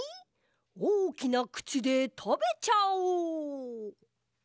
おおきなくちでたべちゃおう！